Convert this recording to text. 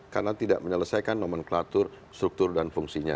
karena tidak menyelesaikan nomenklatur struktur dan fungsinya